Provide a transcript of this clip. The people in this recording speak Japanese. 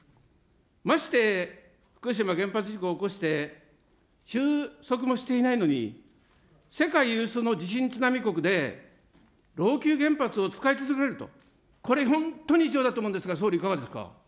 まして福島原発事故を起して、しゅうそくもしていないのに、世界有数の地震津波国で老朽原発を使い続けると、これ、本当に異常だと思うんですが、総理、いかがですか。